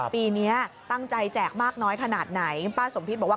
ปีนี้ตั้งใจแจกมากน้อยขนาดไหนป้าสมพิษบอกว่า